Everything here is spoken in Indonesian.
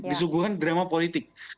disuguhkan drama politik